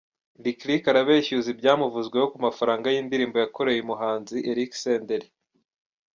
Lick Lick arabeshyuza ibyamuvuzweho ku mafaranga yindirimbo yakoreye umuhanzi Eric Senderi.